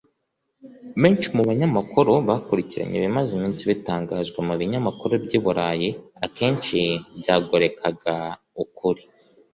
Bamwe mu banyamakuru bakurikiranye ibimaze iminsi bitangazwa mu binyamakuru by’i Burayi akenshi byagorekaga ukuri